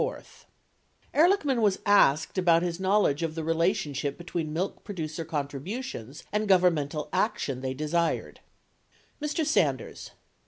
Ehrlichman was asked about his knowledge of the relationship be tween milk producer contributions and governmental action they desired : Mr. Sanders.